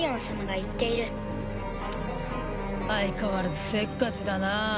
チッ相変わらずせっかちだな。